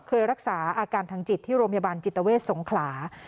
เคยรักษาอาการทางจิตที่โรงพยาบาลจิตเวทสงขลา